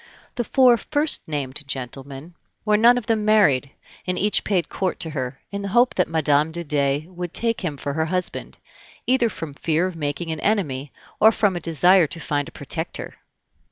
The four first named gentlemen were none of them married, and each paid court to her, in the hope that Mme. de Dey would take him for her husband, either from fear of making an enemy or from a desire to find a protector.